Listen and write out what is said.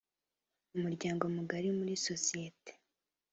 umuryango mugari muri societe